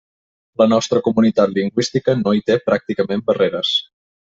La nostra comunitat lingüística no hi té pràcticament barreres.